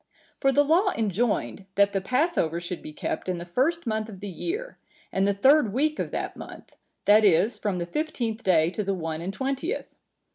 For the law enjoined, that the Passover should be kept in the first month of the year, and the third week of that month, that is, from the fifteenth day to the one and twentieth.